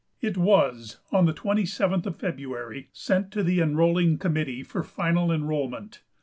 It was, on the 27th of February, sent to the enrolling committee for final enrollment.